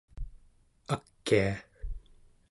akia